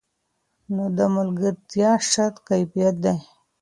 نو د ملګرتیا شرط کیفیت دی.